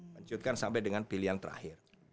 mencuitkan sampai dengan pilihan terakhir